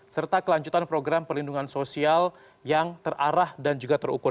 serta kelanjutan program perlindungan sosial yang terarah dan juga terukur